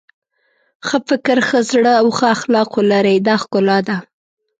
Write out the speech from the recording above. ښه فکر ښه زړه او ښه اخلاق ولرئ دا ښکلا ده.